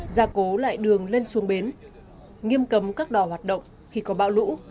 gia cố lại đường lên xuống bến nghiêm cấm các đò hoạt động khi có bão lũ